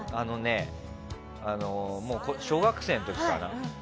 小学生の時かな。